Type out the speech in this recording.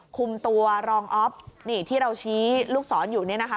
คุมตัวรองอ๊อฟนี่ที่เราชี้ลูกศรอยู่เนี่ยนะคะ